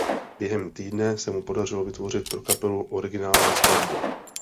Během týdne se mu podařilo vytvořit pro kapelu originální skladbu.